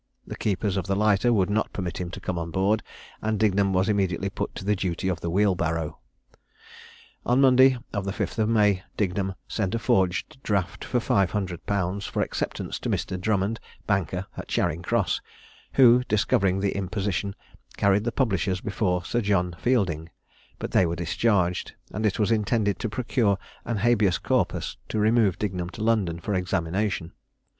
The keepers of the lighter would not permit him to come on board, and Dignum was immediately put to the duty of the wheelbarrow. On Monday, the 5th of May, Dignum sent a forged draft for five hundred pounds for acceptance to Mr. Drummond, banker, at Charing cross, who, discovering the imposition, carried the publishers before Sir John Fielding: but they were discharged; and it was intended to procure an habeas corpus to remove Dignum to London for examination.